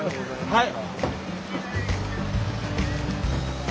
はい。